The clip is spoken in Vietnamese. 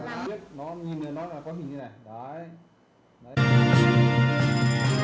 nó nhìn như thế này có hình như thế này đấy